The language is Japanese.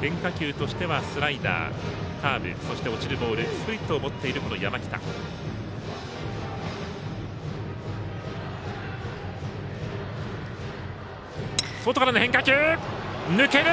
変化球としてはスライダーカーブ、そして落ちるボールスプリットを持っているこの山北。抜ける！